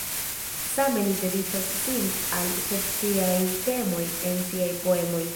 Same li dediĉas sin al sociaj temoj en siaj poemoj.